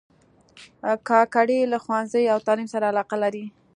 کاکړي له ښوونځي او تعلیم سره علاقه لري.